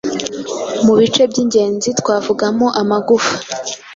Mu bice by’ingenzi twavugamo amagufa